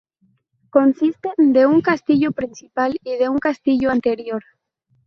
Consiste de un castillo principal y de un castillo anterior.